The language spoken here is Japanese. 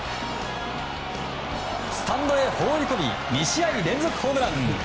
スタンドへ放り込み２試合連続ホームラン。